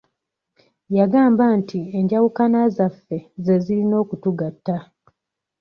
Yagamba nti enjawukana zaffe ze zirina okutugatta.